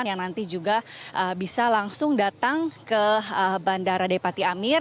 yang nanti juga bisa langsung datang ke bandara depati amir